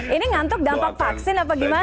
ini ngantuk dampak vaksin apa gimana